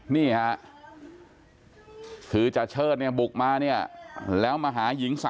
นี่ค่ะคือจาเชิดเนี่ยบุกมาเนี่ยแล้วมาหาหญิงสาว